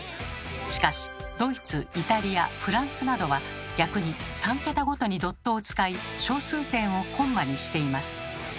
しかしドイツイタリアフランスなどは逆に３桁ごとにドットを使い小数点をコンマにしています。